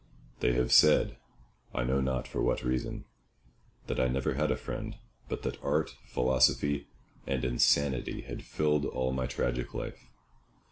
They have said, I know not for what reason, that I never had a friend, but that art, philosophy, and insanity had filled all my tragic life.